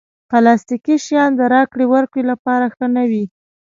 پلاستيکي شیان د راکړې ورکړې لپاره ښه نه وي.